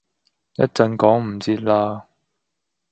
一陣趕唔切喇